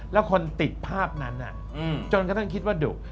และคนติดภาพนั้นจนก็ต้องคิดว่าดุ